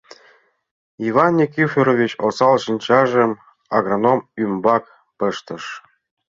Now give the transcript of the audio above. Иван Никифорович осал шинчажым агроном ӱмбак пыштыш.